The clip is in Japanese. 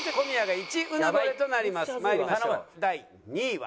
第２位は。